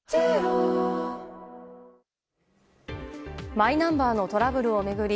マイナンバーのトラブルを巡り